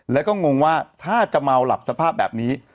แล้วก็งงว่าถ้าจะเมาหลับสภาพแบบนี้